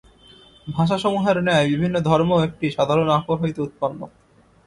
ভাষাসমূহের ন্যায় বিভিন্ন ধর্মও একটি সাধারণ আকর হইতে উৎপন্ন।